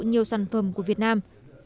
nhiều sản phẩm của việt nam